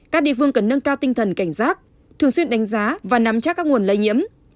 các địa phương cần nâng cao tinh thần cảnh giác thường xuyên đánh giá và nắm chắc các nguồn lây nhiễm